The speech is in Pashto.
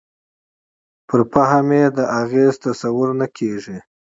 پر فهم یې د اغېز تصور نه کېږي.